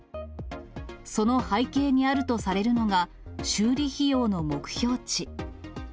その背景にあるとされるのが、修理費用の目標値。